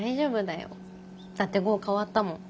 だって剛変わったもん。